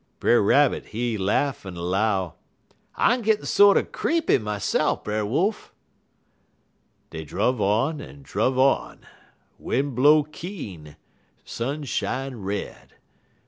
"Brer Rabbit, he laugh en 'low: "'I'm gittin' sorter creepy myself, Brer Wolf.' "Dey druv on en druv on. Win' blow keen, sun shine red.